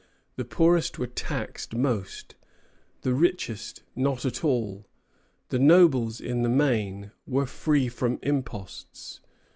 The poorest were taxed most; the richest not at all. The nobles, in the main, were free from imposts.